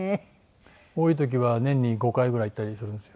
多い時は年に５回ぐらい行ったりするんですよ。